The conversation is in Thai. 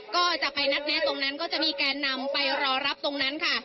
ก็จะไปนัดแนะตรงนั้นก็จะมีแกนนำไปรอรับตรงนั้นค่ะ